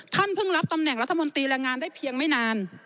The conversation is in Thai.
เพิ่งรับตำแหน่งรัฐมนตรีแรงงานได้เพียงไม่นาน